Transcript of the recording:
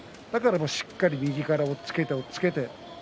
しっかり右から押っつけて押っつけて。